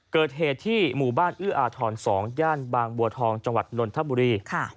เกิดเหตุที่หมู่บ้านเอื้ออาทร๒ย่านบางบัวทองจังหวัดนนทบุรี